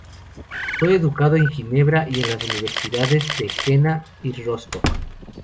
Fue educado en Ginebra, y en las universidades de Jena y Rostock.